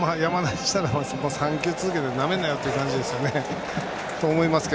山田にしたら３球続けてなめるなよという感じでしょうか。